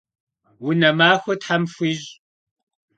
Vune maxue them fxuiş'!